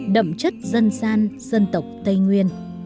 đậm chất dân san dân tộc tây nguyên